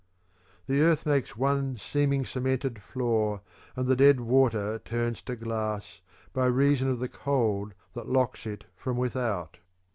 The earth makes one seeming cemented floor. And the dead water turns to glass by reason of the cold that locks it from without.